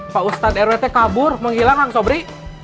pak ustadz rwt kabur menghilang hang sobri